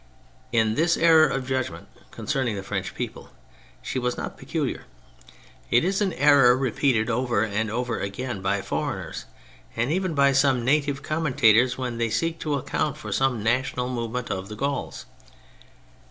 In this error of judgment con cerning the French people she was not peculiar : it is an error repeated over and over again by foreigners, and even by some native com mentators w^hen they seek to account for some national movement of the Gauls.